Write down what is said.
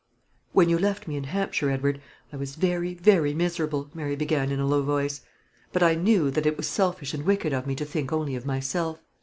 "When you left me in Hampshire, Edward, I was very, very miserable," Mary began, in a low voice; "but I knew that it was selfish and wicked of me to think only of myself.